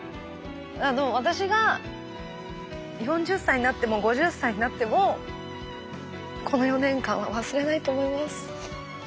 私が４０歳になっても５０歳になってもこの４年間は忘れないと思います。